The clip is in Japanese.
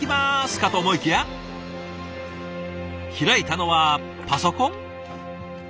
かと思いきや開いたのはパソコン？